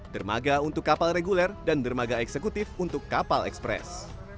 dermaga untuk kapal reguler dan dermaga eksekutif untuk kapal ekspres